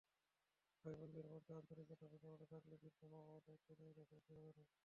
ভাইবোনদের মধ্যে আন্তরিকতা, বোঝাপড়া থাকলে বৃদ্ধ মা-বাবার দায়িত্ব নিয়ে রেষারেষি হবে না।